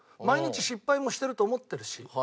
毎日失敗もしてると思ってるし。